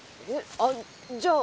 あっじゃあ